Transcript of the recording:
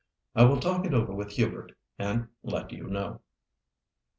"I will talk it over with Hubert, and let you know."